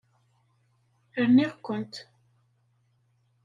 Rniɣ-kent.